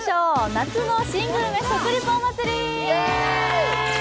夏の新グルメ食リポ祭り。